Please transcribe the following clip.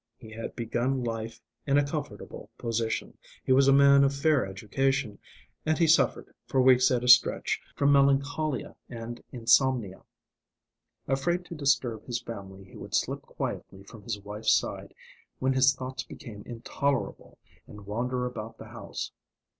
He had begun life in a comfortable position, he was a man of fair education, and he suffered, for weeks at a stretch, from melancholia and insomnia. Afraid to disturb his family, he would slip quietly from his wife's side, when his thoughts became intolerable, and wander about the house.